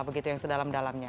begitu yang sedalam dalamnya